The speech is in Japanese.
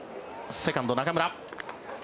セカンド、中村。